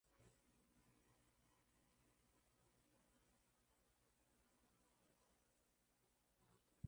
Aliwasili nyumbani kwa mzee huyo na kusalimiana na mke wa mzee Ruhala